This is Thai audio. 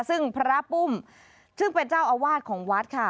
ซึ่งพระปุ้มซึ่งเป็นเจ้าอาวาสของวัดค่ะ